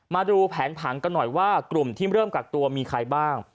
มาดูแผนผังกันหน่อยว่ากลุ่มที่เริ่มกักตัวมีใครบ้าง